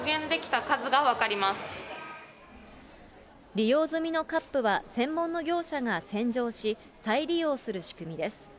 利用済みのカップは、専門の業者が洗浄し、再利用する仕組みです。